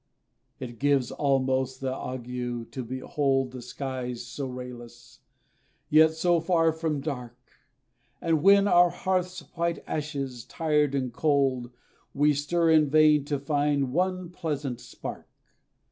It gives almost the ague, to behold The skies so rayless, yet so far from dark; As when our hearth's white ashes, tired and cold, We stir in vain to find one pleasant spark.